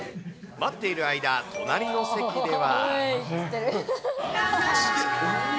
待っている間、隣の席では。